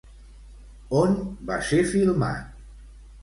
On va ser filmat?